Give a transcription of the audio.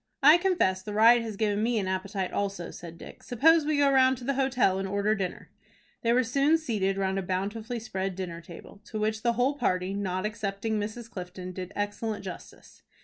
"I confess the ride has given me an appetite also," said Dick. "Suppose we go round to the hotel, and order dinner." They were soon seated round a bountifully spread dinner table, to which the whole party, not excepting Mrs. Clifton, did excellent justice.